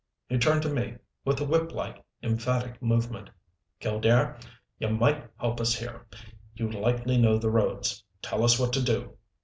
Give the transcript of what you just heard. He turned to me, with a whip like, emphatic movement. "Killdare, you might help us here. You likely know the roads. Tell us what to do."